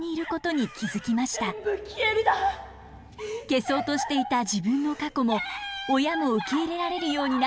消そうとしていた自分の過去も親も受け入れられるようになったカゲノ。